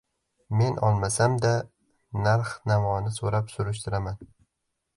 Men olmasam-da — narx-navoni so‘rab-surishtiraman.